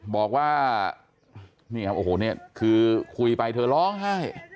บอกว่านี่ครับโอ้โหนี่คือคุยไปเธอร้องไห้